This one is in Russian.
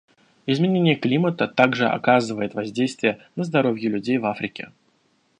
Изменение климата также оказывает воздействие на здоровье людей в Африке.